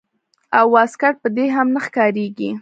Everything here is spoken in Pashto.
او واسکټ به دې هم نه ښکارېږي.